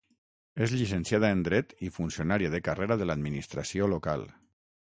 És llicenciada en Dret i funcionària de carrera de l'administració local.